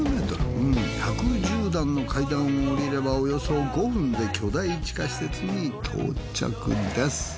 うん１１０段の階段を下りればおよそ５分で巨大地下施設に到着です。